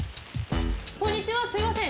こんにちはすいません。